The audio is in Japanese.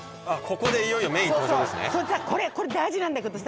これ大事なんだけどさ